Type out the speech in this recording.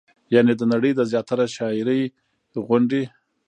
يعنې د نړۍ د زياتره شاعرۍ غوندې